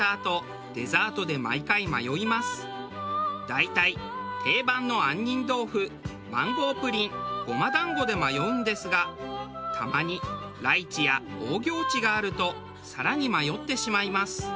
大体定番の杏仁豆腐マンゴープリンごま団子で迷うんですがたまにライチやオーギョーチがあると更に迷ってしまいます。